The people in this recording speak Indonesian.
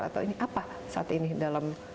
atau ini apa saat ini dalam